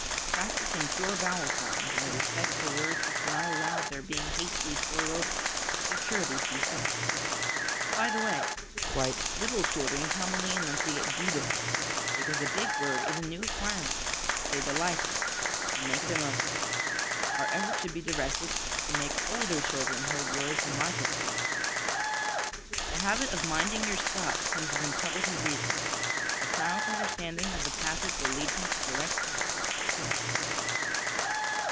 Practice in pure vowel sounds, and the respect for words which will not allow of their being hastily slurred over, should cure these defects. By the way, quite little children commonly enunciate beautifully, because a big word is a new acquirement which they delight in and make the most of; our efforts should be directed to make older children hold words in like esteem. The habit of ' minding your stops ' comes of intelli gent reading. A child's understanding of the passage will lead him to correct pointing.